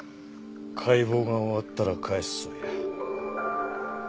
解剖が終わったら返すそうや。